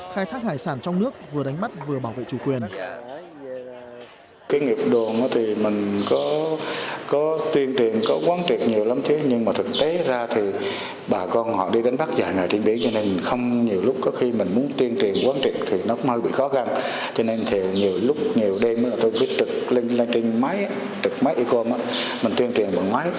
khai thác hải sản trong nước vừa đánh bắt vừa bảo vệ chủ quyền